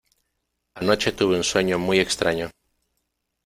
Anoche tuve un sueño muy extraño.